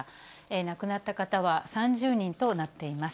亡くなった方は３０人となっています。